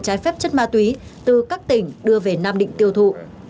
trái phép chất ma túy từ các tỉnh đưa về nam định tiêu thụ